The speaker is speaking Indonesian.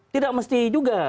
tidak mesti juga